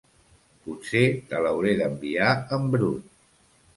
Potser te l'hauré d'enviar en brut.